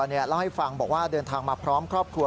เล่าให้ฟังบอกว่าเดินทางมาพร้อมครอบครัว